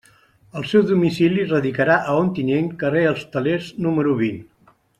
El seu domicili radicarà a Ontinyent, carrer Els Telers, número vint.